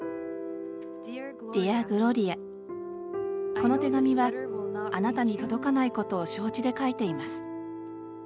この手紙はあなたに届かないことを承知で書いています。